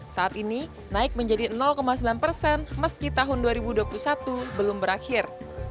saat ini naik menjadi sembilan persen meski tahun dua ribu dua puluh satu belum berakhir